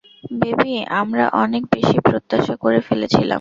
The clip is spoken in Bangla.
বেবি, আমরা অনেক বেশি প্রত্যাশা করে ফেলেছিলাম।